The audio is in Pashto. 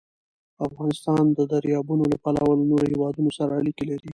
افغانستان د دریابونه له پلوه له نورو هېوادونو سره اړیکې لري.